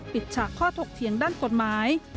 ฉากข้อถกเถียงด้านกฎหมาย